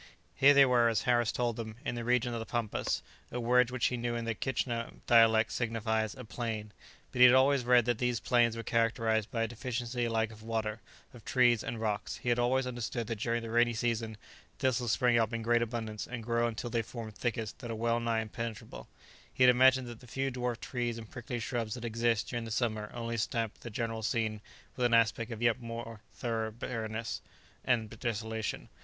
Here they were, as Harris told them, in the region of the pampas, a word which he knew in the Quichna dialect signifies "a plain;" but he had always read that these plains were characterized by a deficiency alike of water, of trees, and rocks; he had always understood that during the rainy season, thistles spring up in great abundance and grow until they form thickets that are well nigh impenetrable; he had imagined that the few dwarf trees and prickly shrubs that exist during the summer only stamp the general scene with an aspect of yet more thorough bareness and desolation.